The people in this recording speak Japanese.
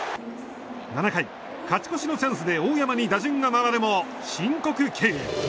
７回、勝ち越しのチャンスで大山に打順が回るも申告敬遠。